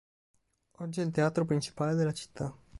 Oggi è il teatro principale della città.